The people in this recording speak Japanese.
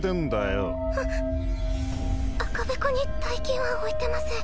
赤べこに大金は置いてません。